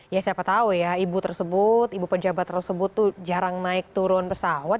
ya siapa tahu ya ibu tersebut ibu pejabat tersebut tuh jarang naik turun pesawat